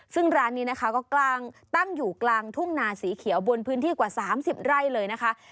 ซึ่งร้านนี้นะคะก็ตั้งอยู่กลางทุ่งนาสีเขียวบนพื้นที่กว่า๓๐ไร่เลยนะคะ